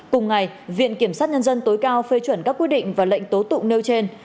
cùng ngày viện kiểm sát nhân dân tối cao phê chuẩn các quy định và lệnh tố tụng nêu trên